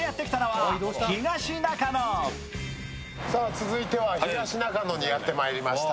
続いては東中野にやってまいりました。